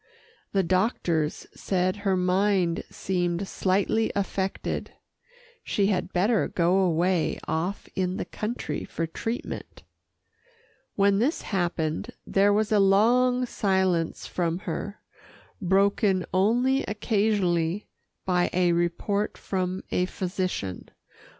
The doctors said her mind seemed slightly affected she had better go away off in the country for treatment. When this happened, there was a long silence from her, broken only occasionally by a report from a physician.